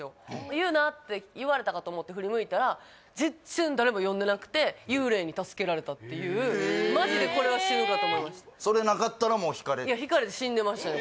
「優奈」って言われたかと思って振り向いたら全然誰も呼んでなくてえっマジでこれは死ぬかと思いましたそれなかったらもうひかれてひかれて死んでましたね